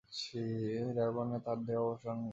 ডারবানে তার দেহাবসান ঘটে।